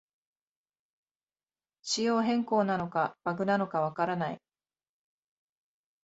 仕様変更なのかバグなのかわからない